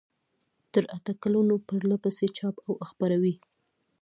تر اته کلونو پرلپسې چاپ او خپروي.